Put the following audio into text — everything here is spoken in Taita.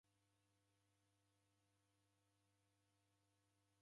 Kukuw'onyere kumoni